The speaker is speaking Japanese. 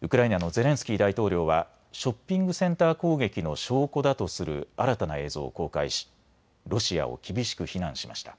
ウクライナのゼレンスキー大統領はショッピングセンター攻撃の証拠だとする新たな映像を公開しロシアを厳しく非難しました。